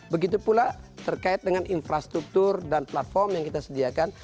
begitu pula terkait dengan infrastruktur dan platform yang kita sediakan